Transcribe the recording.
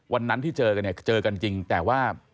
วันนั้นที่เจอกันเนี่ยเจอกันจริงแต่ว่า